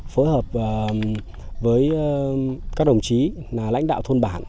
phối hợp với các đồng chí lãnh đạo thôn bản